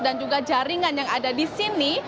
dan juga jaringan yang ada di sini